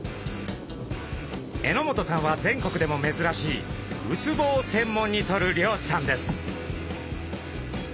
榎本さんは全国でもめずらしいウツボを専門にとる漁師さんです。